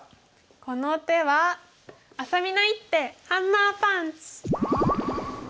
この手はあさみの一手ハンマーパンチ！